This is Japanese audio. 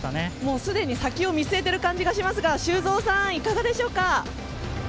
すでに先を見据えてる感じがしますが修造さん、いかがでしょうか？